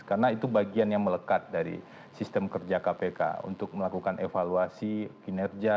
karena itu bagian yang melekat dari sistem kerja kpk untuk melakukan evaluasi kinerja